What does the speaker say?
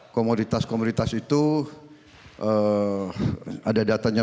komoditas komoditas itu ada datanya